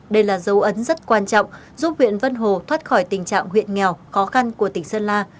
đây là dấu ấn rất quan trọng giúp huyện vân hồ thoát khỏi tình trạng huyện nghèo khó khăn của tỉnh sơn la